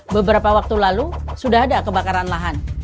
beberapa waktu lalu sudah ada kebakaran lahan